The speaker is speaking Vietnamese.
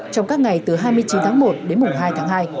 trong các ngày từ hai mươi chín tháng một đến mùng hai tháng hai